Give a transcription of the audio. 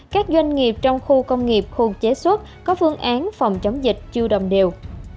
các doanh nghiệp trong khu công nghiệp khu chế xuất có phương án phòng chống dịch chưa đồng đều